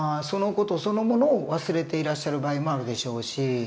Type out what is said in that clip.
その事そのものを忘れていらっしゃる場合もあるでしょうし。